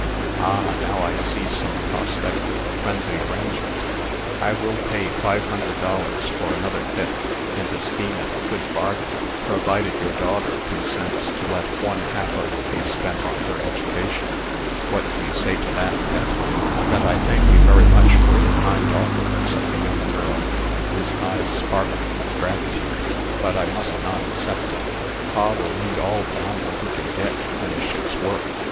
"Ah, now I see some prospect of a friendly arrangement. I will pay five hundred dollars for another fifth, and esteem it a good bargain, provided your daughter consents to let one half of it be spent on her education. What do you say to that, Pet?" "That I thank you very much for your kind offer," said the young girl, whose eyes sparkled with gratitude; "but I must not accept it. Pa will need all the money he can get to finish his work.